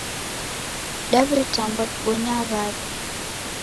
Dawetambwa dibonyaa wada